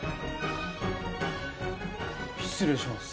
失礼します。